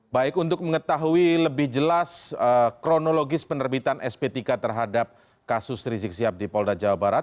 baik untuk mengetahui lebih jelas kronologis penerbitan sptk terhadap kasus risik siap di polda jawa barat